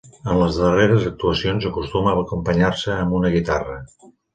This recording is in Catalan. En les darreres actuacions acostuma a acompanyar-se amb una guitarra.